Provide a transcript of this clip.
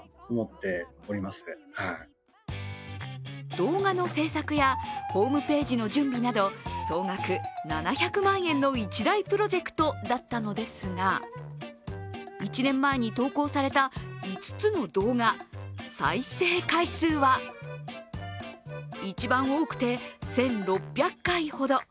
動画の制作やホームページの準備など、総額７００万円の一大プロジェクトだったのですが１年前に投稿された５つの動画、再生回数は一番多くて１６００回ほど。